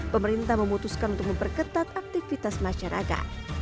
pemerintah memutuskan untuk memperketat aktivitas masyarakat